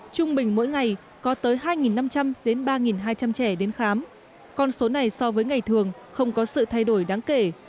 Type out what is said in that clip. trung bình mỗi ngày có tới hai năm trăm linh đến ba hai trăm linh trẻ đến khám con số này so với ngày thường không có sự thay đổi đáng kể